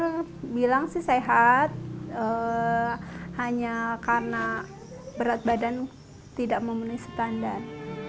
saya bilang sih sehat hanya karena berat badan tidak memenuhi standar